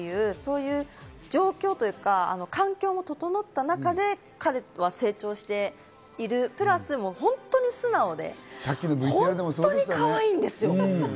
そういう状況というか、環境も整った中で彼は成長しているプラス、本当に素直で本当にかわいいんですよ。